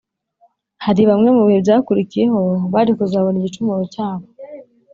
hari bamwe mu bihe byakurikiyeho bari kuzabona igicumuro cyabo,